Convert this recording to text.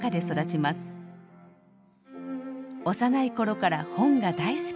幼い頃から本が大好き。